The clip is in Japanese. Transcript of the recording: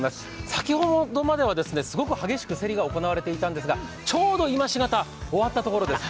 先ほどまではすごく激しく競りが行われていたんですが、ちょうと今し方終わったところです。